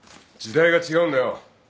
時代が違うんだよ。